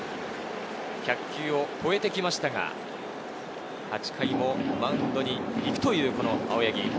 １００球を超えてきましたが、８回もマウンドに行くという青柳。